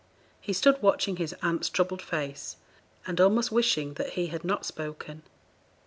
He stood watching his aunt's troubled face, and almost wishing that he had not spoken.